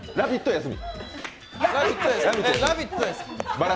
休み。